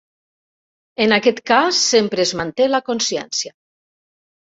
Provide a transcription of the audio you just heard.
En aquest cas sempre es manté la consciència.